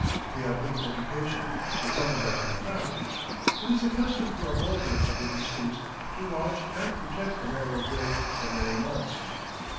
They have little education, but some of them have traveled. It is the custom for a relative of the deceased to watch and protect a Moro grave for many months.